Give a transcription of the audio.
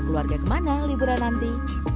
keluarga kemana liburan nanti